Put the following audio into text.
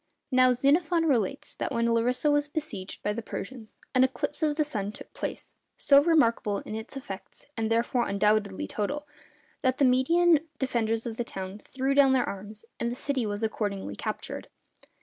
Now, Xenophon relates that when Larissa was besieged by the Persians, an eclipse of the sun took place, so remarkable in its effects (and therefore undoubtedly total), that the Median defenders of the town threw down their arms, and the city was accordingly captured.